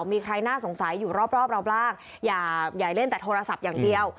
มีใครน่าสงสัยอยู่รอบเราบ้างอย่าเล่นแต่โทรศัพท์อย่างเดียว